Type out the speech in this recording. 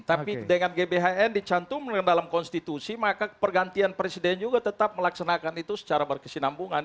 tapi dengan gbhn dicantum dalam konstitusi maka pergantian presiden juga tetap melaksanakan itu secara berkesinambungan